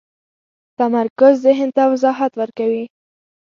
تمرکز ذهن ته وضاحت ورکوي.